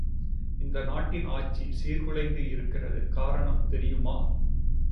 இந்த நாட்டின் ஆட்சி சீர்குலைந்து இருக்கிறது, காரணம் தெரியுமா?